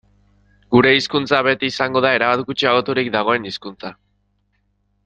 Gure hizkuntza beti izango da erabat gutxiagoturik dagoen hizkuntza.